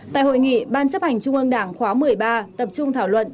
tại hội nghị ban chấp hành trung ương đảng khóa một mươi ba tập trung thảo luận